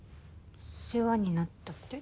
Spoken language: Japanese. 世話になったって？